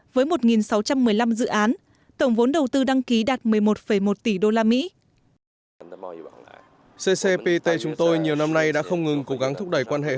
với một sáu trăm một mươi năm dự án tổng vốn đầu tư đăng ký đạt một mươi một một tỷ usd